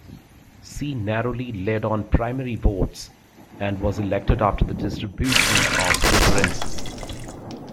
She narrowly led on primary votes and was elected after the distribution of preferences.